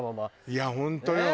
いや本当よ。